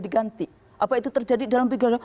diganti apa itu terjadi dalam pidato